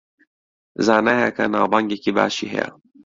زانایەکە ناوبانگێکی باشی هەیە